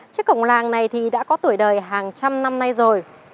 chiếc cổng làng này thì đã có tuổi đời hàng trăm năm nay rồi